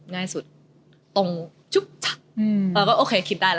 ง่ายสุดตรงชุบชักแล้วก็โอเคคิดได้ละ